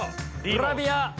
グラビア！